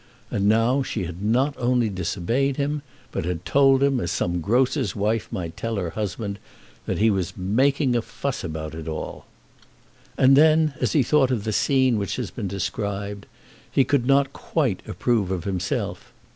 And now she had not only disobeyed him, but had told him, as some grocer's wife might tell her husband, that he was "making a fuss about it all!" And then, as he thought of the scene which has been described, he could not quite approve of himself.